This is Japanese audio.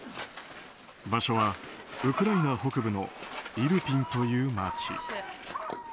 場所はウクライナ北部のイルピンという街。